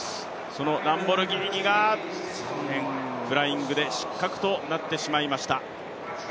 そのランボルギーニがフライングで失格となってしまいました。